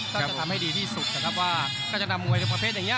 ก็จะทำให้ดีที่สุดนะครับว่าก็จะนำมวยในประเภทอย่างนี้